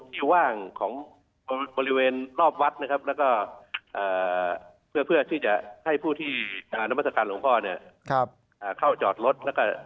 ประพฤติหว่างความบริเวณรอบวัดและเพื่อให้ผู้ที่นำประสบการณ์หลงพอเข้าจอดรถ